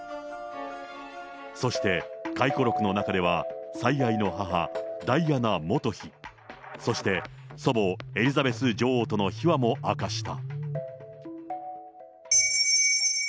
そして、回顧録の中では、最愛の母、ダイアナ元妃、そして祖母、エリザベス女王との秘話も明かした。